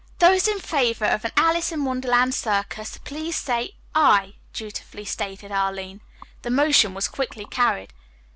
"Those in favor of an Alice in Wonderland Circus please say 'aye,'" dutifully stated Arline. The motion was quickly carried.